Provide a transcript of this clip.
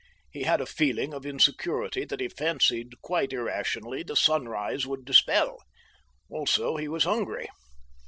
He had a feeling of insecurity that he fancied quite irrationally the sunrise would dispel. Also he was hungry.